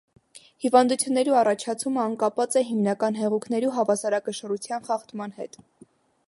Հիւանդութիւններու առաջացումը ան կապած է հիմնական հեղուկներու հաւասարակշռութեան խախտման հետ։